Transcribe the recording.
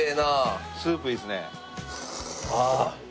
スープいいですね。